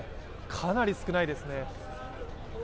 かなり少ないですね。